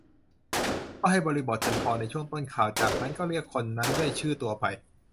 ก็ให้บริบทจนพอในช่วงต้นข่าว จากนั้นก็เรียกคนนั้นด้วยชื่อตัวไป